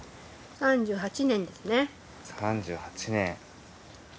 ３８年。